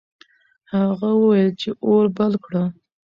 هغه وویل چې اور بل کړه.